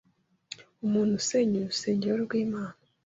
Umuntu usenya urusengero rw’Imana